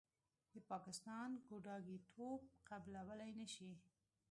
د پاکستان ګوډاګیتوب قبلولې نشي.